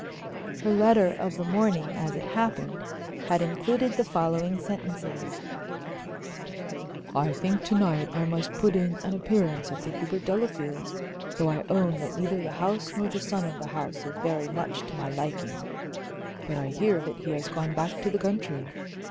Her letter of the morning, as it happened, had included the following sentences: "I think to night I must put in an appearance at the Hubert Delafields', though I own that neither the house nor the son of the house is very much to my liking. But I hear that he has gone back to the country.